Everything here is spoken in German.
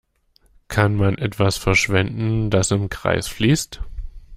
Kann man etwas verschwenden, das im Kreis fließt?